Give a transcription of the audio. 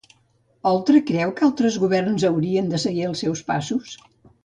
Oltra creu que altres governs haurien de seguir els seus passos?